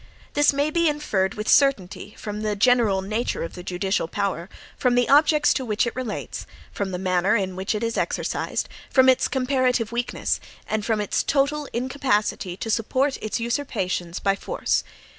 This may be inferred with certainty, from the general nature of the judicial power, from the objects to which it relates, from the manner in which it is exercised, from its comparative weakness, and from its total incapacity to support its usurpations by force.